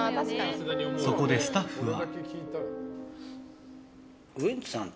そこでスタッフは。